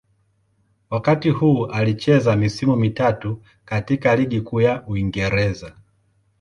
Wakati huu alicheza misimu mitatu katika Ligi Kuu ya Uingereza.